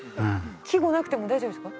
季語なくても大丈夫ですか？